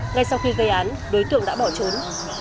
ngay sau khi gây án đối tượng đã bỏ trốn